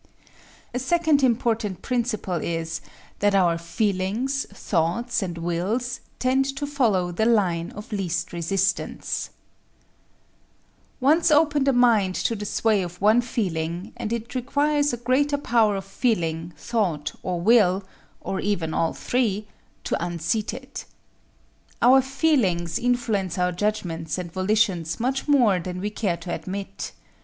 A second important principle is that our feelings, thoughts and wills tend to follow the line of least resistance. Once open the mind to the sway of one feeling and it requires a greater power of feeling, thought, or will or even all three to unseat it. Our feelings influence our judgments and volitions much more than we care to admit.